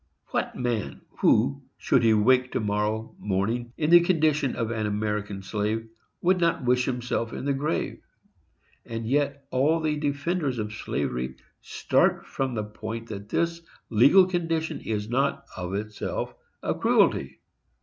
What man, who, should he wake to morrow morning in the condition of an American slave, would not wish himself in the grave? And yet all the defenders of slavery start from the point that this legal condition is not of itself a cruelty!